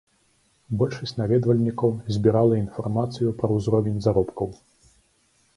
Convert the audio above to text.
Большасць наведвальнікаў збірала інфармацыю пра ўзровень заробкаў.